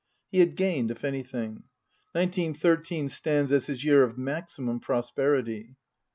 He had gained, if anything. Nineteen thirteen stands as his year of maximum prosperity.